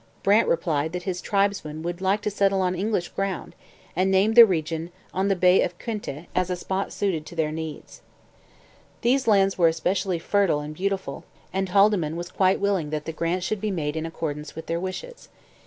Brant replied that his tribesmen would like to settle on English ground, and named the region on the Bay of Quinte as a spot suited to their needs. These lands were especially fertile and beautiful, and Haldimand was quite willing that the grant should be made in accordance with their wishes.